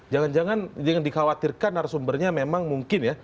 jangan jangan yang dikhawatirkan narasumbernya memang mungkin ya